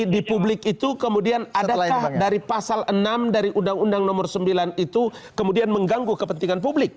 di publik itu kemudian adakah dari pasal enam dari undang undang nomor sembilan itu kemudian mengganggu kepentingan publik